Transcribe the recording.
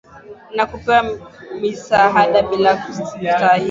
na kupewa misaada bila kustahili